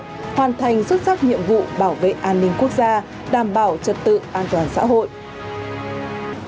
hoàn thành xuất sắc nhiệm vụ bảo vệ an ninh quốc gia đảm bảo trật tự an toàn xã hội